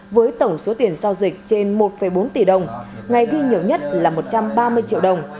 với tổng số tiền giao dịch trên một bốn tỷ đồng ngày ghi nhiều nhất là một trăm ba mươi triệu đồng